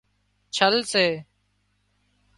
ڇل سي